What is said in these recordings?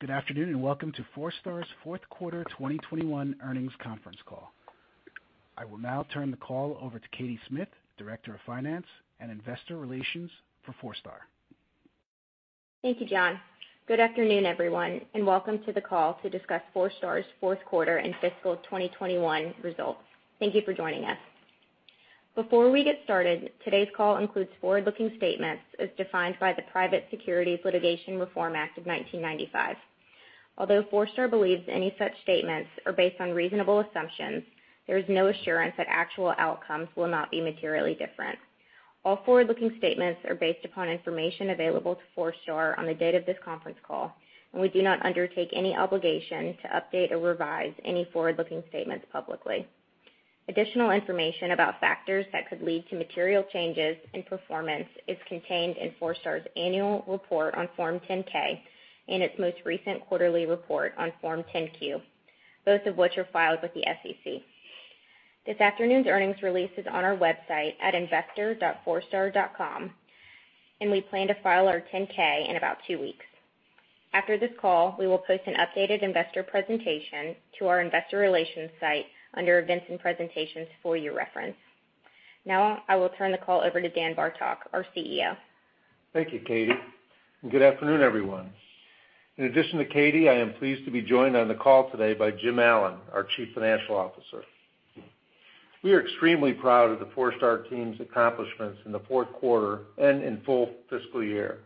Good afternoon, and welcome to Forestar's fourth quarter 2021 earnings conference call. I will now turn the call over to Katie Smith, Director of Finance and Investor Relations for Forestar. Thank you, John. Good afternoon, everyone, and welcome to the call to discuss Forestar's fourth quarter and fiscal 2021 results. Thank you for joining us. Before we get started, today's call includes forward-looking statements as defined by the Private Securities Litigation Reform Act of 1995. Although Forestar believes any such statements are based on reasonable assumptions, there is no assurance that actual outcomes will not be materially different. All forward-looking statements are based upon information available to Forestar on the date of this conference call, and we do not undertake any obligation to update or revise any forward-looking statements publicly. Additional information about factors that could lead to material changes in performance is contained in Forestar's annual report on Form 10-K and its most recent quarterly report on Form 10-Q, both of which are filed with the SEC. This afternoon's earnings release is on our website at investor.forestar.com, and we plan to file our 10-K in about two weeks. After this call, we will post an updated investor presentation to our investor relations site under Events and Presentations for your reference. Now I will turn the call over to Dan Bartok, our CEO. Thank you, Katie, and good afternoon, everyone. In addition to Katie, I am pleased to be joined on the call today by Jim Allen, our Chief Financial Officer. We are extremely proud of the Forestar team's accomplishments in the fourth quarter and in full fiscal year.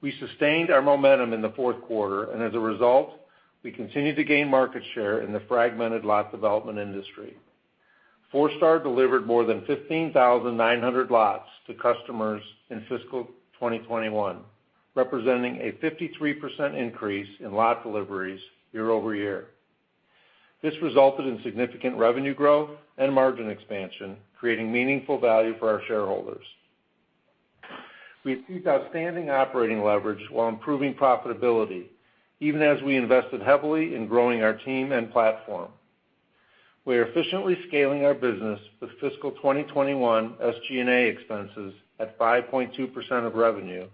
We sustained our momentum in the fourth quarter, and as a result, we continued to gain market share in the fragmented lot development industry. Forestar delivered more than 15,900 lots to customers in fiscal 2021, representing a 53% increase in lot deliveries year-over-year. This resulted in significant revenue growth and margin expansion, creating meaningful value for our shareholders. We achieved outstanding operating leverage while improving profitability, even as we invested heavily in growing our team and platform. We are efficiently scaling our business with fiscal 2021 SG&A expenses at 5.2% of revenue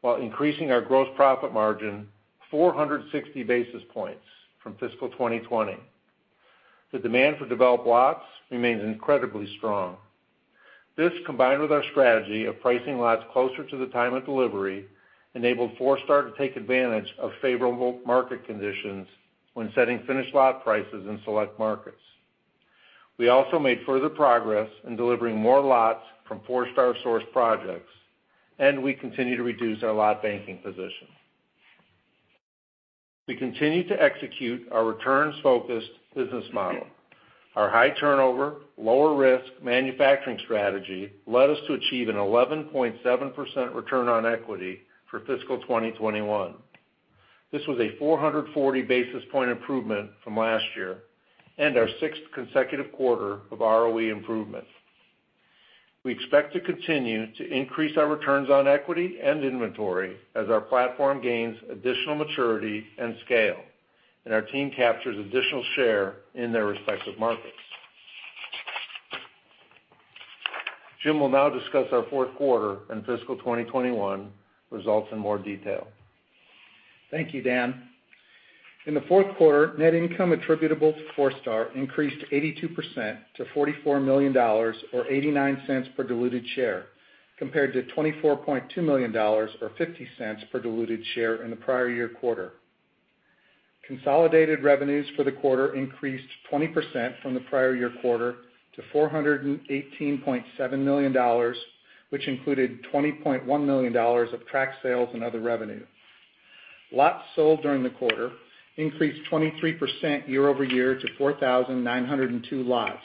while increasing our gross profit margin 460 basis points from fiscal 2020. The demand for developed lots remains incredibly strong. This, combined with our strategy of pricing lots closer to the time of delivery, enabled Forestar to take advantage of favorable market conditions when setting finished lot prices in select markets. We also made further progress in delivering more lots from Forestar-sourced projects, and we continue to reduce our lot banking position. We continue to execute our returns-focused business model. Our high turnover, lower risk manufacturing strategy led us to achieve an 11.7% return on equity for fiscal 2021. This was a 440 basis point improvement from last year and our sixth consecutive quarter of ROE improvement. We expect to continue to increase our returns on equity and inventory as our platform gains additional maturity and scale, and our team captures additional share in their respective markets. Jim will now discuss our fourth quarter and fiscal 2021 results in more detail. Thank you, Dan. In the fourth quarter, net income attributable to Forestar increased 82% to $44 million, or $0.89 per diluted share, compared to $24.2 million, or $0.50 per diluted share in the prior year quarter. Consolidated revenues for the quarter increased 20% from the prior year quarter to $418.7 million, which included $20.1 million of tract sales and other revenue. Lots sold during the quarter increased 23% year-over-year to 4,902 lots,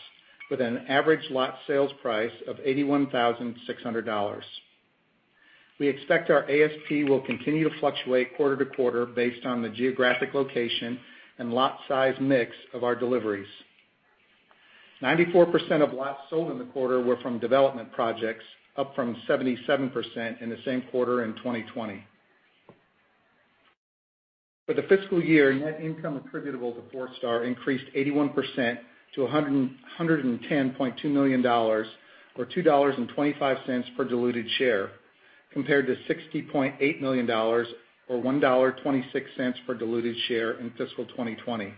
with an average lot sales price of $81,600. We expect our ASP will continue to fluctuate quarter to quarter based on the geographic location and lot size mix of our deliveries. 94% of lots sold in the quarter were from development projects, up from 77% in the same quarter in 2020. For the fiscal year, net income attributable to Forestar increased 81% to $110.2 million, or $2.25 per diluted share, compared to $60.8 million or $1.26 per diluted share in fiscal 2020.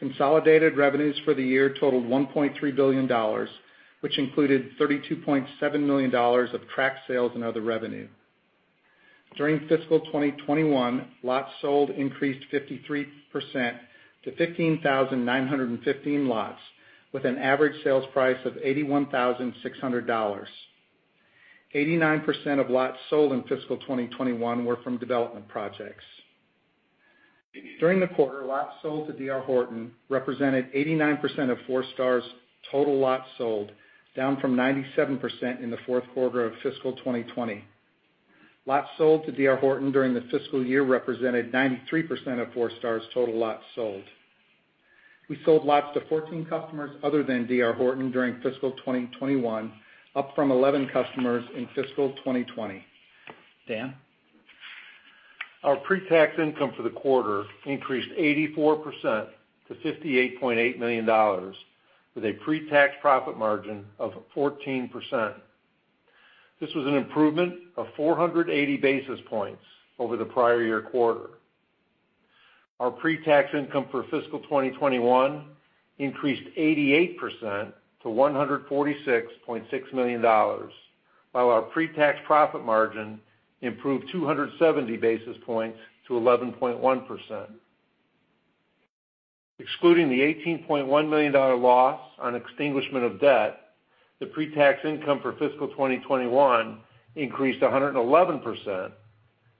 Consolidated revenues for the year totaled $1.3 billion, which included $32.7 million of tract sales and other revenue. During fiscal 2021, lots sold increased 53% to 15,915 lots, with an average sales price of $81,600. 89% of lots sold in fiscal 2021 were from development projects. During the quarter, lots sold to D.R. Horton represented 89% of Forestar's total lots sold, down from 97% in the fourth quarter of fiscal 2020. Lots sold to D.R. Horton during the fiscal year represented 93% of Forestar's total lots sold. We sold lots to 14 customers other than D.R. Horton during fiscal 2021, up from 11 customers in fiscal 2020. Dan? Our pre-tax income for the quarter increased 84% to $58.8 million, with a pre-tax profit margin of 14%. This was an improvement of 480 basis points over the prior year quarter. Our pre-tax income for fiscal 2021 increased 88% to $146.6 million, while our pre-tax profit margin improved 270 basis points to 11.1%. Excluding the $18.1 million-dollar loss on extinguishment of debt, the pre-tax income for fiscal 2021 increased 111%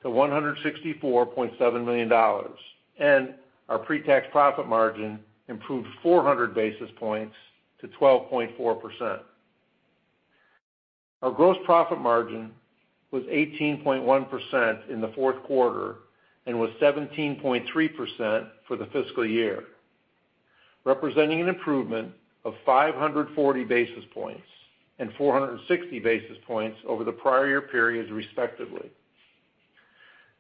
to $164.7 million, and our pre-tax profit margin improved 400 basis points to 12.4%. Our gross profit margin was 18.1% in the fourth quarter and was 17.3% for the fiscal year, representing an improvement of 540 basis points and 460 basis points over the prior year periods, respectively.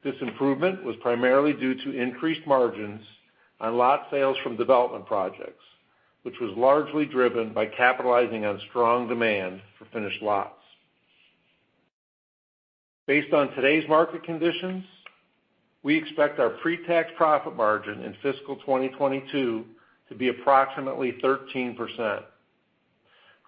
This improvement was primarily due to increased margins on lot sales from development projects, which was largely driven by capitalizing on strong demand for finished lots. Based on today's market conditions, we expect our pre-tax profit margin in fiscal 2022 to be approximately 13%,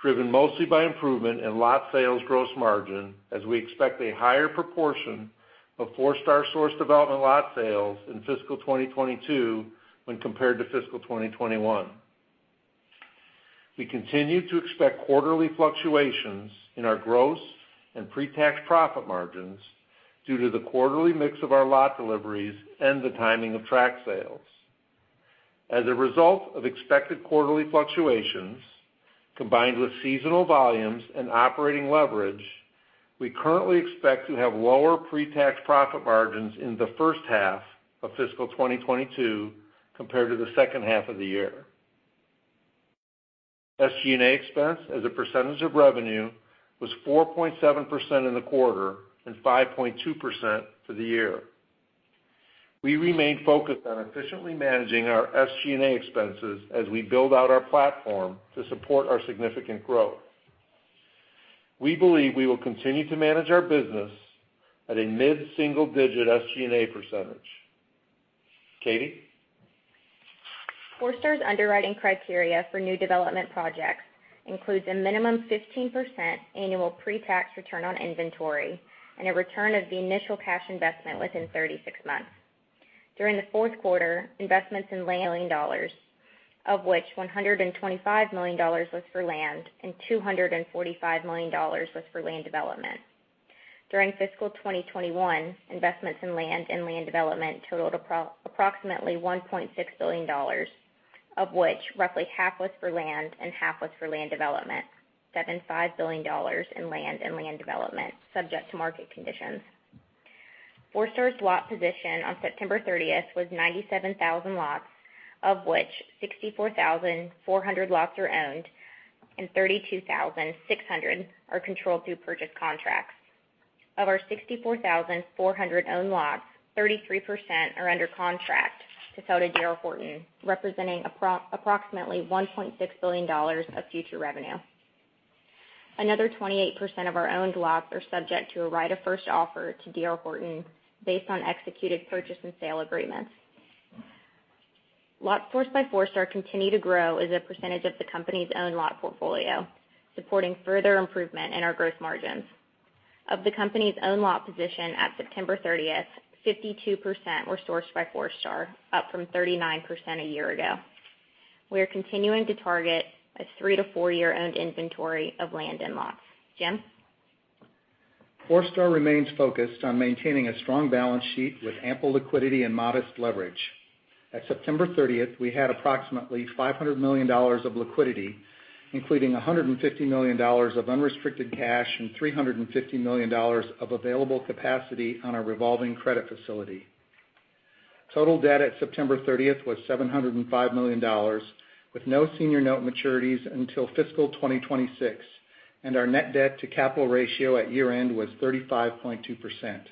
driven mostly by improvement in lot sales gross margin, as we expect a higher proportion of Forestar sourced development lot sales in fiscal 2022 when compared to fiscal 2021. We continue to expect quarterly fluctuations in our gross and pre-tax profit margins due to the quarterly mix of our lot deliveries and the timing of tract sales. As a result of expected quarterly fluctuations, combined with seasonal volumes and operating leverage, we currently expect to have lower pre-tax profit margins in the first half of fiscal 2022 compared to the second half of the year. SG&A expense as a percentage of revenue was 4.7% in the quarter and 5.2% for the year. We remain focused on efficiently managing our SG&A expenses as we build out our platform to support our significant growth. We believe we will continue to manage our business at a mid-single digit SG&A percentage. Katie? Forestar's underwriting criteria for new development projects includes a minimum 15% annual pre-tax return on inventory and a return of the initial cash investment within 36 months. During the fourth quarter, investments in land of which $125 million was for land and $245 million was for land development. During fiscal 2021, investments in land and land development totaled approximately $1.6 billion, of which roughly half was for land and half was for land development. $75 billion dollars in land and land development subject to market conditions. Forestar's lot position on September 30 was 97,000 lots, of which 64,400 lots are owned and 32,600 are controlled through purchase contracts. Of our 64,400 owned lots, 33% are under contract to sell to D.R. Horton, representing approximately $1.6 billion of future revenue. Another 28% of our owned lots are subject to a right of first offer to D.R. Horton based on executed purchase and sale agreements. Lots sourced by Forestar continue to grow as a percentage of the company's own lot portfolio, supporting further improvement in our gross margins. Of the company's own lot position at September 30th, 52% were sourced by Forestar, up from 39% a year ago. We are continuing to target a three-to-four-year owned inventory of land and lots. Jim? Forestar remains focused on maintaining a strong balance sheet with ample liquidity and modest leverage. At September 30th, we had approximately $500 million of liquidity, including $150 million of unrestricted cash and $350 million of available capacity on our revolving credit facility. Total debt at September 30 was $705 million, with no senior note maturities until fiscal 2026, and our net debt to capital ratio at year-end was 35.2%.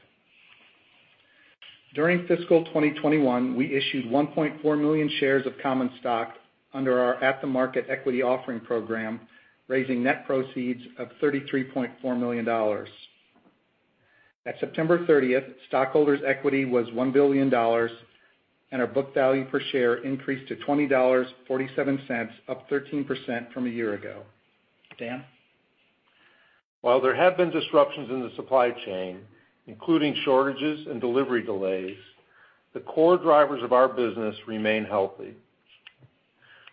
During fiscal 2021, we issued 1.4 million shares of common stock under our at-the-market equity offering program, raising net proceeds of $33.4 million. At September 30th, stockholders' equity was $1 billion, and our book value per share increased to $20.47, up 13% from a year ago. Dan? While there have been disruptions in the supply chain, including shortages and delivery delays, the core drivers of our business remain healthy.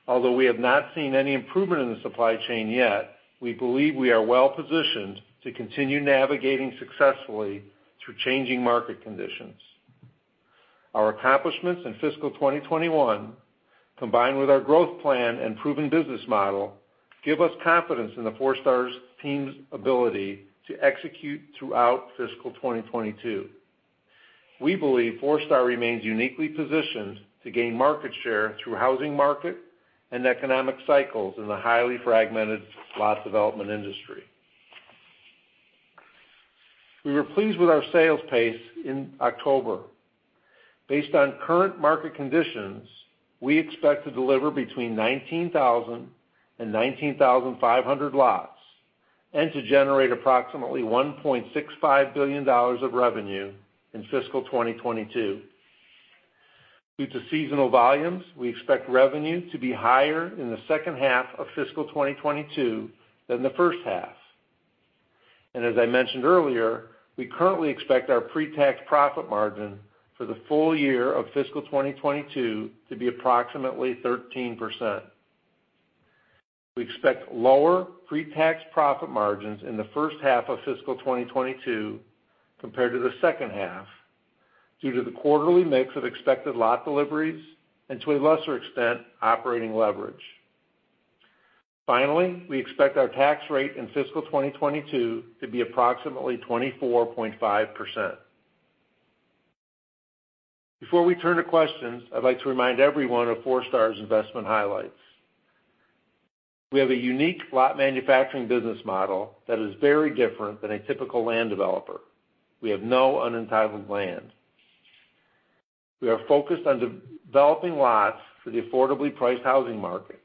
Although we have not seen any improvement in the supply chain yet, we believe we are well-positioned to continue navigating successfully through changing market conditions. Our accomplishments in fiscal 2021, combined with our growth plan and proven business model, give us confidence in the Forestar's team's ability to execute throughout fiscal 2022. We believe Forestar remains uniquely positioned to gain market share through housing market and economic cycles in the highly fragmented lot development industry. We were pleased with our sales pace in October. Based on current market conditions, we expect to deliver between 19,000 and 19,500 lots and to generate approximately $1.65 billion of revenue in fiscal 2022. Due to seasonal volumes, we expect revenue to be higher in the second half of fiscal 2022 than the first half. As I mentioned earlier, we currently expect our pre-tax profit margin for the full year of fiscal 2022 to be approximately 13%. We expect lower pre-tax profit margins in the first half of fiscal 2022 compared to the second half due to the quarterly mix of expected lot deliveries and to a lesser extent, operating leverage. Finally, we expect our tax rate in fiscal 2022 to be approximately 24.5%. Before we turn to questions, I'd like to remind everyone of Forestar's investment highlights. We have a unique lot manufacturing business model that is very different than a typical land developer. We have no unentitled land. We are focused on developing lots for the affordably priced housing market.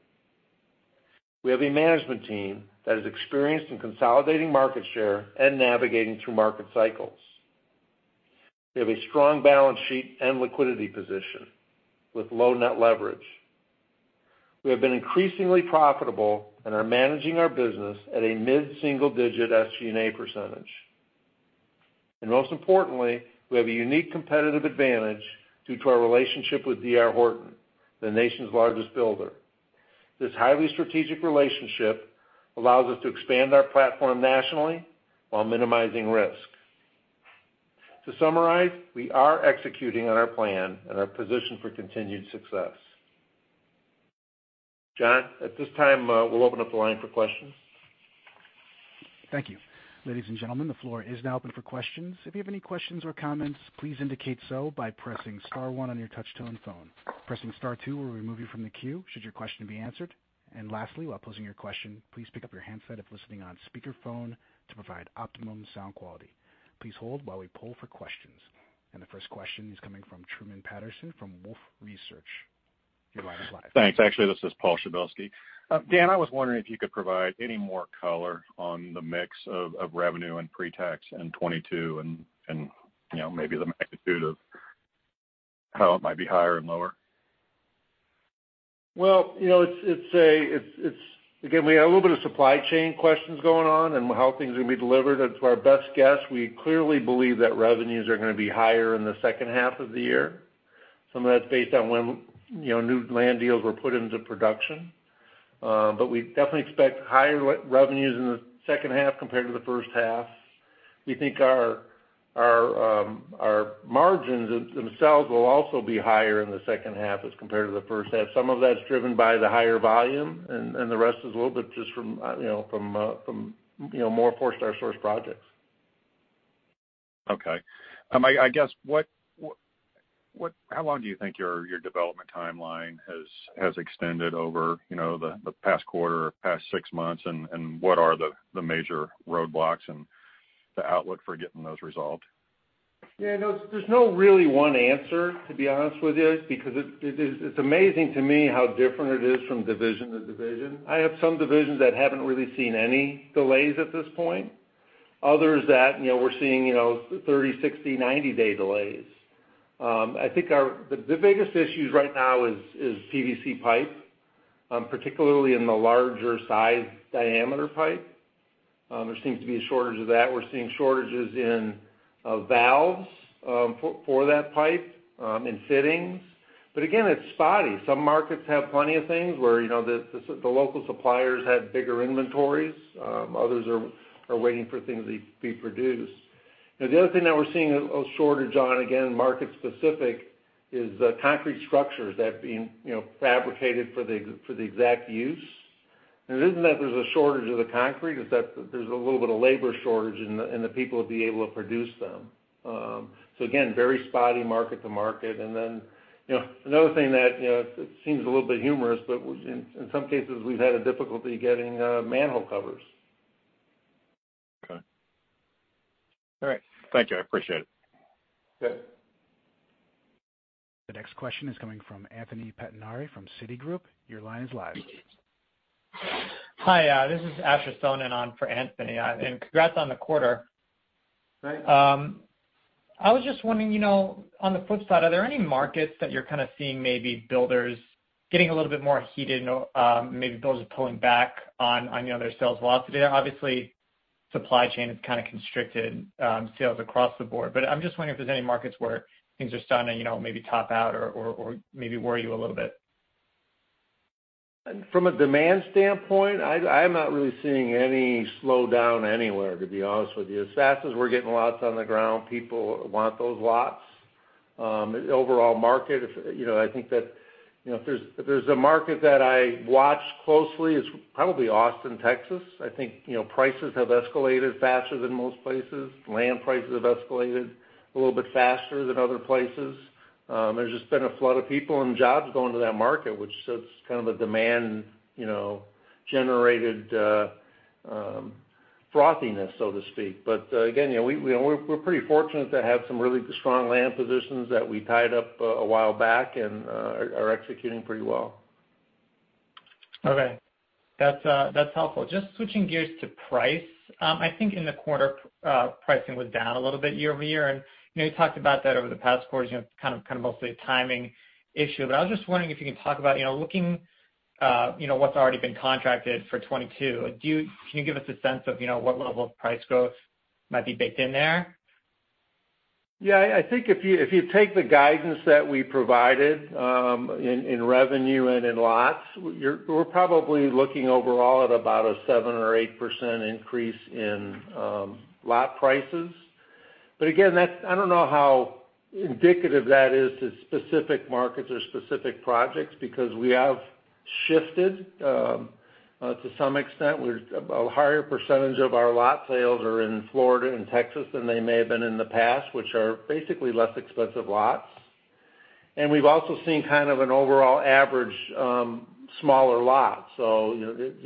We have a management team that is experienced in consolidating market share and navigating through market cycles. We have a strong balance sheet and liquidity position with low net leverage. We have been increasingly profitable and are managing our business at a mid-single digit SG&A percentage. Most importantly, we have a unique competitive advantage due to our relationship with D.R. Horton, the nation's largest builder. This highly strategic relationship allows us to expand our platform nationally while minimizing risk. To summarize, we are executing on our plan and are positioned for continued success. John, at this time, we'll open up the line for questions. Thank you. Ladies and gentlemen, the floor is now open for questions. If you have any questions or comments, please indicate so by pressing star one on your touchtone phone. Pressing star two will remove you from the queue should your question be answered. Lastly, while posing your question, please pick up your handset if listening on speaker phone to provide optimum sound quality. Please hold while we poll for questions. The first question is coming from Truman Patterson from Wolfe Research. Your line is live. Thanks. Actually, this is Paul Zabielski. Dan, I was wondering if you could provide any more color on the mix of revenue and pre-tax in 2022 and you know, maybe the magnitude of how it might be higher and lower. Well, you know, it's again we have a little bit of supply chain questions going on and how things are gonna be delivered. It's our best guess. We clearly believe that revenues are gonna be higher in the second half of the year. Some of that's based on when, you know, new land deals were put into production. We definitely expect higher revenues in the second half compared to the first half. We think our margins themselves will also be higher in the second half as compared to the first half. Some of that's driven by the higher volume and the rest is a little bit just from you know, more Forestar sourced projects. Okay. I guess what how long do you think your development timeline has extended over, you know, the past quarter or past six months? What are the major roadblocks and the outlook for getting those resolved? Yeah, no, there's no really one answer, to be honest with you, because it is. It's amazing to me how different it is from division to division. I have some divisions that haven't really seen any delays at this point. Others that, you know, we're seeing, you know, 30-, 60-, 90-day delays. I think the biggest issues right now is PVC pipe, particularly in the larger size diameter pipe. There seems to be a shortage of that. We're seeing shortages in valves for that pipe in fittings. But again, it's spotty. Some markets have plenty of things where, you know, the local suppliers have bigger inventories, others are waiting for things to be produced. Now the other thing that we're seeing a shortage on, again, market-specific, is the concrete structures that are being, you know, fabricated for the exact use. It isn't that there's a shortage of the concrete, it's that there's a little bit of labor shortage in the people to be able to produce them. Again, very spotty market-to-market. You know, another thing that, you know, it seems a little bit humorous, but in some cases we've had a difficulty getting manhole covers. Okay. All right. Thank you. I appreciate it. Good. The next question is coming from Anthony Pettinari from Citigroup. Your line is live. Hi, this is Asher Sohnen on for Anthony. Congrats on the quarter. Thanks. I was just wondering, you know, on the flip side, are there any markets that you're kind of seeing maybe builders getting a little bit more heated and, maybe builders are pulling back on, you know, their sales lots? Obviously, supply chain has kind of constricted, sales across the board. But I'm just wondering if there's any markets where things are starting to, you know, maybe top out or maybe worry you a little bit. From a demand standpoint, I'm not really seeing any slowdown anywhere, to be honest with you. As fast as we're getting lots on the ground, people want those lots. Overall market, I think that, you know, if there's a market that I watch closely, it's probably Austin, Texas. I think, you know, prices have escalated faster than most places. Land prices have escalated a little bit faster than other places. There's just been a flood of people and jobs going to that market, which so it's kind of a demand, you know, generated frothiness, so to speak. Again, you know, we're pretty fortunate to have some really strong land positions that we tied up a while back and are executing pretty well. Okay. That's helpful. Just switching gears to price. I think in the quarter, pricing was down a little bit year-over-year, and you know, you talked about that over the past quarter as, you know, kind of mostly a timing issue. But I was just wondering if you could talk about, you know, looking, you know, what's already been contracted for 2022. Can you give us a sense of, you know, what level of price growth might be baked in there? Yeah, I think if you take the guidance that we provided in revenue and in lots, we're probably looking overall at about a 7% or 8% increase in lot prices. Again, that's. I don't know how indicative that is to specific markets or specific projects because we have shifted to some extent. A higher percentage of our lot sales are in Florida and Texas than they may have been in the past, which are basically less expensive lots. We've also seen kind of an overall average smaller lots. You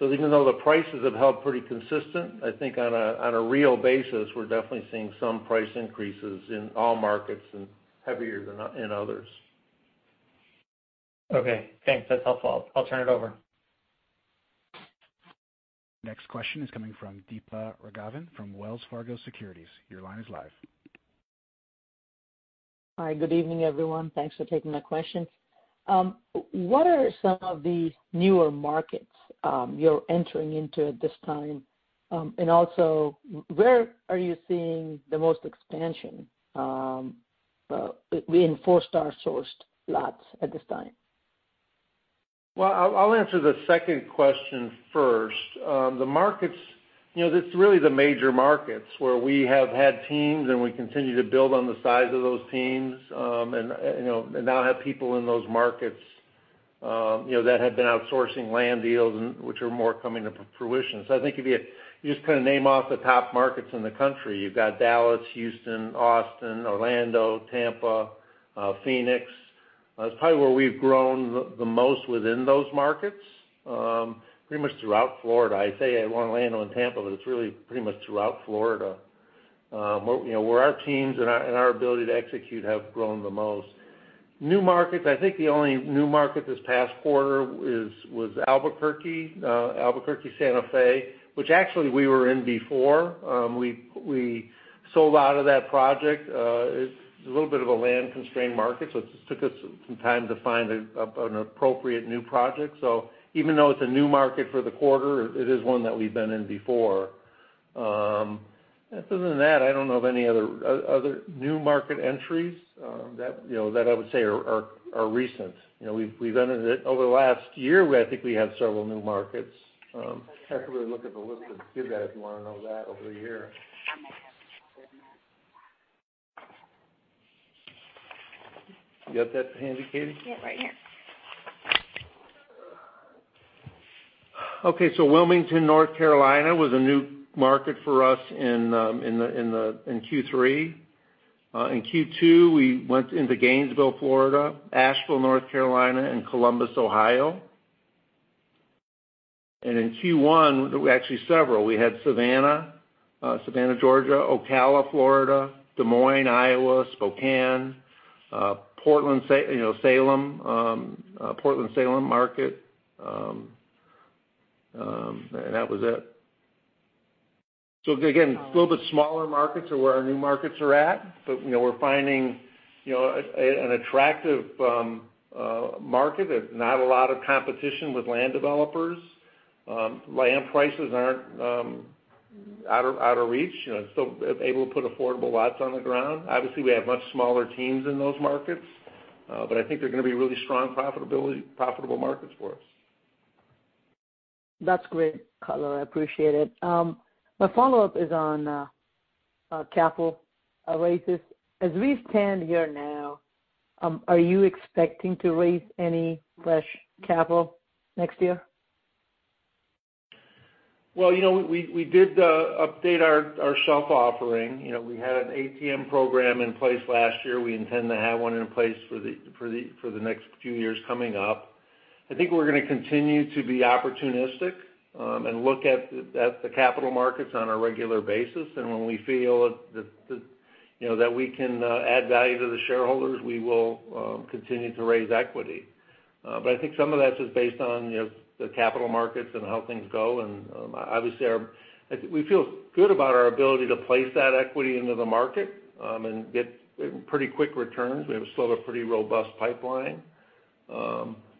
know, even though the prices have held pretty consistent, I think on a real basis, we're definitely seeing some price increases in all markets and heavier than in others. Okay, thanks. That's helpful. I'll turn it over. Next question is coming from Deepa Raghavan from Wells Fargo Securities. Your line is live. Hi, good evening, everyone. Thanks for taking my question. What are some of the newer markets you're entering into at this time? Where are you seeing the most expansion in our sourced lots at this time? Well, I'll answer the second question first. The markets, you know, it's really the major markets where we have had teams, and we continue to build on the size of those teams, and now have people in those markets that have been sourcing land deals, and which are now coming to fruition. I think if you just kind of name off the top markets in the country, you've got Dallas, Houston, Austin, Orlando, Tampa, Phoenix. That's probably where we've grown the most within those markets, pretty much throughout Florida. I say Orlando and Tampa, but it's really pretty much throughout Florida, where our teams and our ability to execute have grown the most. New markets, I think the only new market this past quarter was Albuquerque, Santa Fe, which actually we were in before. We sold out of that project. It's a little bit of a land-constrained market, so it just took us some time to find an appropriate new project. So even though it's a new market for the quarter, it is one that we've been in before. Other than that, I don't know of any other new market entries that you know that I would say are recent. You know, we've entered it. Over the last year, I think we had several new markets. I have to really look at the list to see that if you wanna know that over a year. You got that handy, Katie? Yeah, right here. Okay, Wilmington, North Carolina, was a new market for us in Q3. In Q2, we went into Gainesville, Florida, Asheville, North Carolina, and Columbus, Ohio. In Q1, actually several. We had Savannah, Georgia, Ocala, Florida, Des Moines, Iowa, Spokane, Portland-Salem market, and that was it. Again, a little bit smaller markets are where our new markets are at. You know, we're finding, you know, an attractive market. There's not a lot of competition with land developers. Land prices aren't out of reach. You know, able to put affordable lots on the ground. Obviously, we have much smaller teams in those markets, but I think they're gonna be really strong profitability, profitable markets for us. That's great, Cutler. I appreciate it. My follow-up is on capital raises. As we stand here now, are you expecting to raise any fresh capital next year? Well, you know, we did update our shelf offering. You know, we had an ATM program in place last year. We intend to have one in place for the next few years coming up. I think we're gonna continue to be opportunistic and look at the capital markets on a regular basis. When we feel that, you know, that we can add value to the shareholders, we will continue to raise equity. I think some of that's just based on, you know, the capital markets and how things go. Obviously, we feel good about our ability to place that equity into the market and get pretty quick returns. We have still a pretty robust pipeline.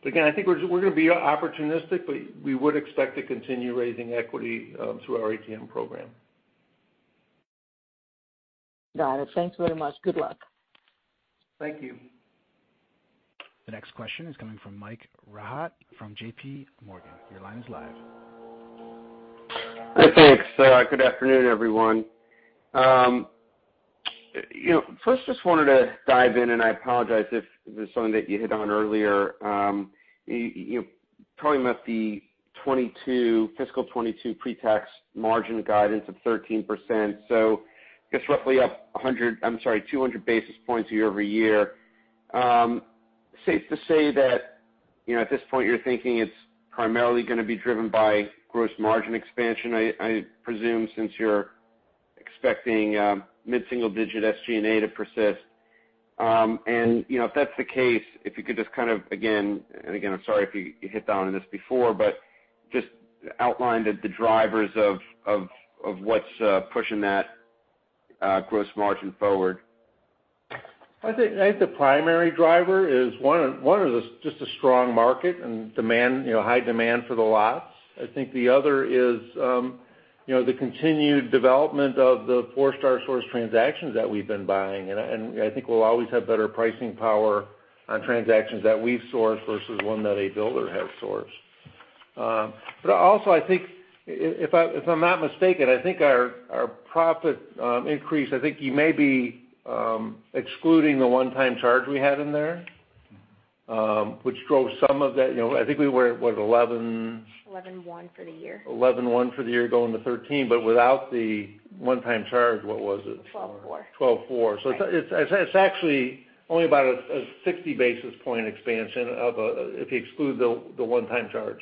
Again, I think we're gonna be opportunistic, but we would expect to continue raising equity through our ATM program. Got it. Thanks very much. Good luck. Thank you. The next question is coming from Michael Rehaut from JPMorgan. Your line is live. Hi. Thanks. Good afternoon, everyone. You know, first just wanted to dive in, and I apologize if this is something that you hit on earlier. You've probably met the 2022 fiscal 2022 pre-tax margin guidance of 13%. So I guess roughly up 200 basis points year-over-year. Safe to say that, you know, at this point you're thinking it's primarily gonna be driven by gross margin expansion, I presume, since you're expecting mid-single digit SG&A to persist. You know, if that's the case, if you could just kind of again, I'm sorry if you hit on this before, but just outline the drivers of what's pushing that gross margin forward. I think the primary driver is one is just a strong market and demand, you know, high demand for the lots. I think the other is, you know, the continued development of the Forestar-sourced transactions that we've been buying, and I think we'll always have better pricing power on transactions that we've sourced versus one that a builder has sourced. Also I think if I'm not mistaken, I think our profit increase, I think you may be excluding the one-time charge we had in there, which drove some of that. You know, I think we were, what, eleven- 11.1 for the year. 11.1 for the year, going to 13. Without the one-time charge, what was it? 12 4. 12 4. Right. It's actually only about a 60 basis point expansion if you exclude the one-time charge.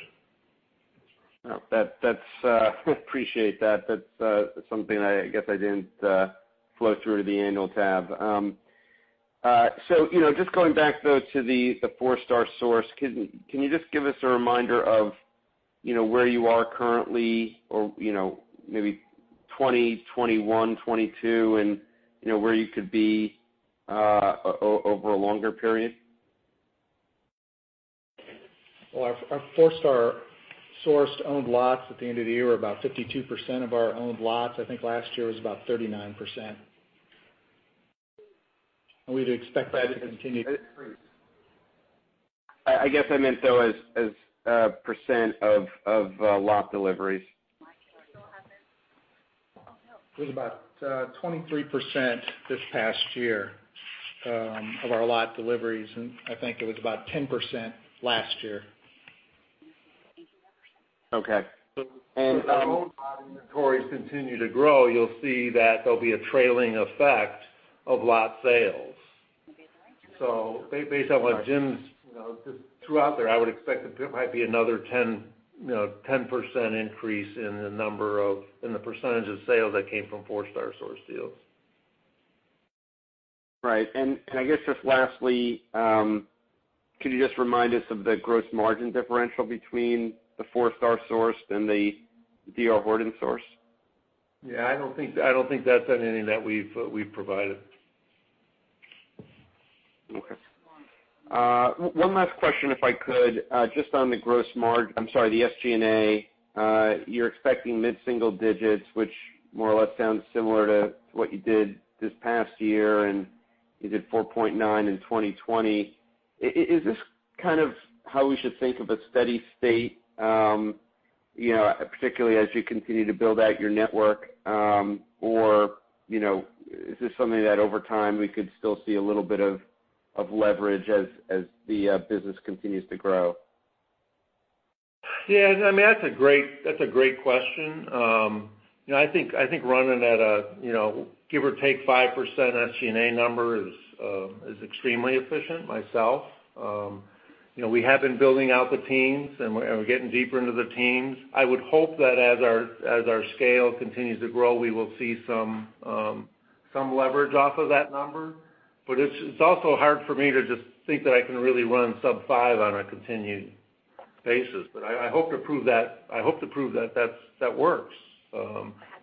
Oh, I appreciate that. That's something I guess I didn't flow through to the annual tab. You know, just going back though to the Forestar, can you just give us a reminder of, you know, where you are currently or, you know, maybe 2020, 2021, 2022 and, you know, where you could be over a longer period? Well, our Forestar-sourced owned lots at the end of the year are about 52% of our owned lots. I think last year was about 39%. We'd expect that to continue to increase. I guess I meant though as percent of lot deliveries. Mike, can you still have him? Oh, no. It was about 23% this past year of our lot deliveries, and I think it was about 10% last year. Okay. As our owned lot inventories continue to grow, you'll see that there'll be a trailing effect of lot sales. Based on what Jim's, you know, just threw out there, I would expect that there might be another 10, you know, 10% increase in the number of, in the percentage of sales that came from Forestar-sourced deals. Right. I guess just lastly, can you just remind us of the gross margin differential between the Forestar source and the D.R. Horton source? Yeah, I don't think that's in anything that we've provided. Okay. One last question if I could, just on the SG&A. You're expecting mid-single digits%, which more or less sounds similar to what you did this past year, and you did 4.9% in 2020. Is this kind of how we should think of a steady state, you know, particularly as you continue to build out your network? Or, you know, is this something that over time we could still see a little bit of leverage as the business continues to grow? Yeah, I mean, that's a great question. You know, I think running at a, you know, give or take 5% SG&A number is extremely efficient myself. You know, we have been building out the teams, and we're getting deeper into the teams. I would hope that as our scale continues to grow, we will see some leverage off of that number. It's also hard for me to just think that I can really run sub-5% on a continued basis. I hope to prove that that works. I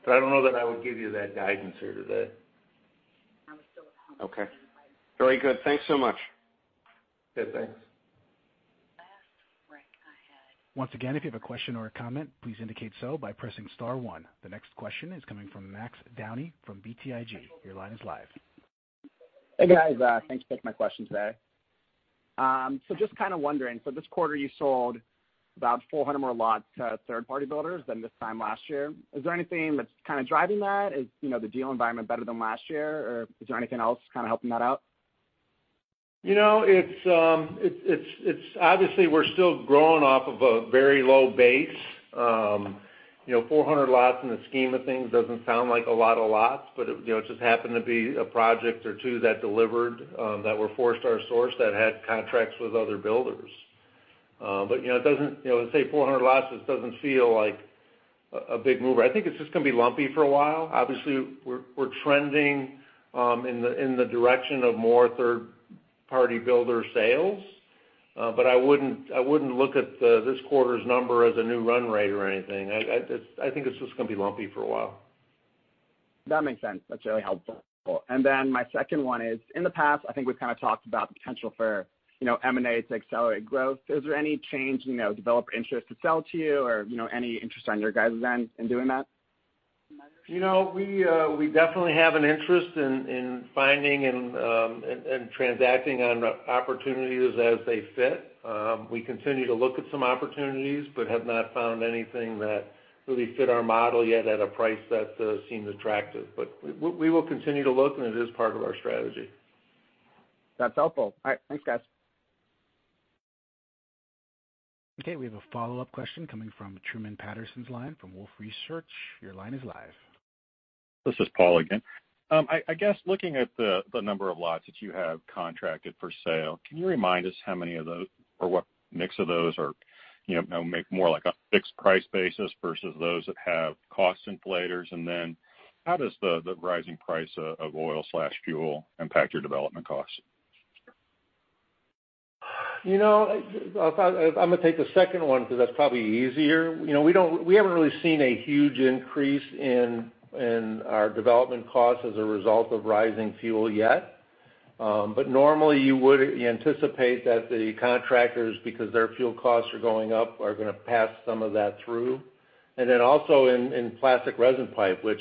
don't know that I would give you that guidance here today. Okay. Very good. Thanks so much. Yeah, thanks. Last rec I had- Once again, if you have a question or a comment, please indicate so by pressing star one. The next question is coming from Max Downie from BTIG. Your line is live. Hey, guys. Thanks for taking my question today. Just kind of wondering, so this quarter you sold about 400 more lots to third-party builders than this time last year. Is there anything that's kind of driving that? Is, you know, the deal environment better than last year, or is there anything else kind of helping that out? You know, it's obviously we're still growing off of a very low base. You know, 400 lots in the scheme of things doesn't sound like a lot of lots, but you know, it just happened to be a project or two that delivered that were Forestar sourced that had contracts with other builders. But you know, it doesn't say 400 lots, it doesn't feel like a big mover. I think it's just gonna be lumpy for a while. Obviously, we're trending in the direction of more third party builder sales. But I wouldn't look at this quarter's number as a new run rate or anything. I think it's just going to be lumpy for a while. That makes sense. That's really helpful. My second one is, in the past I think we've kind of talked about the potential for, you know, M&A to accelerate growth. Is there any change, you know, developer interest to sell to you or, you know, any interest on your guys' end in doing that? You know, we definitely have an interest in finding and transacting on opportunities as they fit. We continue to look at some opportunities, but have not found anything that really fit our model yet at a price that seems attractive. We will continue to look and it is part of our strategy. That's helpful. All right, thanks guys. Okay, we have a follow-up question coming from Truman Patterson's line from Wolfe Research. Your line is live. This is Paul again. I guess looking at the number of lots that you have contracted for sale, can you remind us how many of those or what mix of those are, you know, made more like a fixed price basis versus those that have cost inflators? Then how does the rising price of oil or fuel impact your development costs? You know, I'm going to take the second one because that's probably easier. You know, we haven't really seen a huge increase in our development costs as a result of rising fuel yet. Normally you would anticipate that the contractors, because their fuel costs are going up, are going to pass some of that through. Also in plastic resin pipe, which,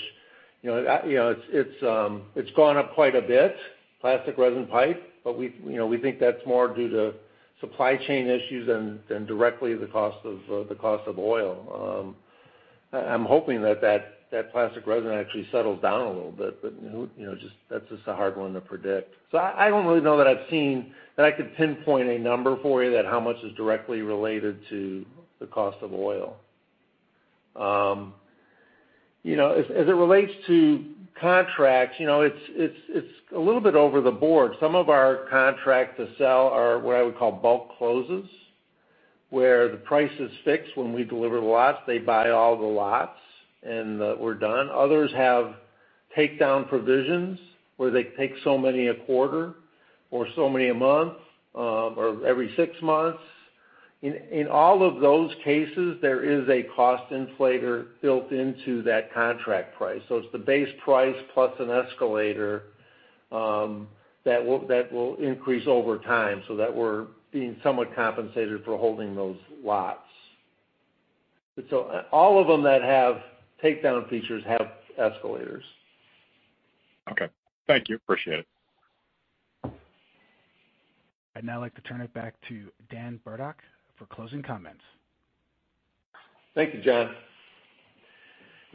you know, it's gone up quite a bit, plastic resin pipe, but we, you know, we think that's more due to supply chain issues than directly the cost of oil. I'm hoping that plastic resin actually settles down a little bit, but who knows. You know, that's just a hard one to predict. I don't really know that I could pinpoint a number for you that how much is directly related to the cost of oil. You know, as it relates to contracts, you know, it's a little bit all over the board. Some of our contracts to sell are what I would call bulk closes, where the price is fixed when we deliver the lots, they buy all the lots, and we're done. Others have takedown provisions, where they take so many a quarter or so many a month, or every six months. In all of those cases, there is a cost inflator built into that contract price. It's the base price plus an escalator, that will increase over time so that we're being somewhat compensated for holding those lots. All of them that have takedown features have escalators. Okay. Thank you. Appreciate it. I'd now like to turn it back to Dan Bartok for closing comments. Thank you, John.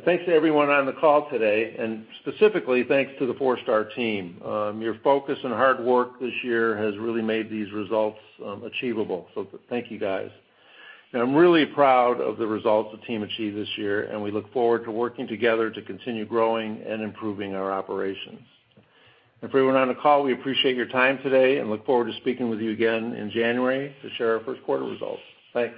Thanks to everyone on the call today, and specifically thanks to the Forestar team. Your focus and hard work this year has really made these results achievable. Thank you, guys. I'm really proud of the results the team achieved this year, and we look forward to working together to continue growing and improving our operations. Everyone on the call, we appreciate your time today and look forward to speaking with you again in January to share our first quarter results. Thanks.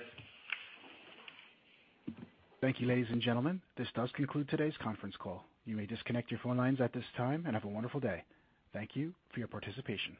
Thank you, ladies and gentlemen. This does conclude today's conference call. You may disconnect your phone lines at this time and have a wonderful day. Thank you for your participation.